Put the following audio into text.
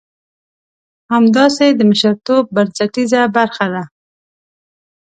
همداسې د مشرتوب بنسټيزه برخه ده.